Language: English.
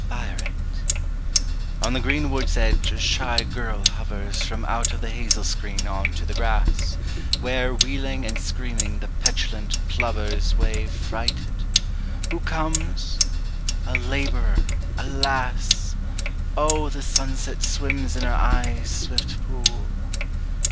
Biuret _) On the green wood's edge a shy girl hovers From out of the hazel screen on to the grass, Where wheeling and screaming the petulant plovers Wave frighted. Who comes? A labourer, alas! Oh the sunset swims in her eyes' swift pool.